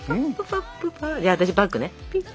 じゃあ私バックね。